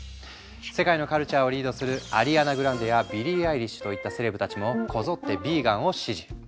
世界のカルチャーをリードするアリアナ・グランデやビリー・アイリッシュといったセレブたちもこぞってヴィーガンを支持。